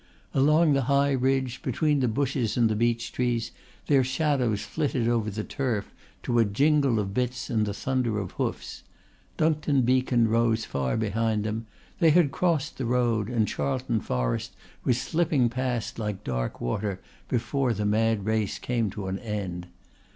Along the high ridge, between the bushes and the beech trees, their shadows flitted over the turf, to a jingle of bits and the thunder of hoofs. Duncton Beacon rose far behind them; they had crossed the road and Charlton forest was slipping past like dark water before the mad race came to an end.